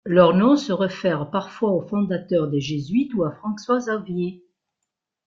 Leur nom se réfère parfois au fondateur des Jésuites ou à François-Xavier.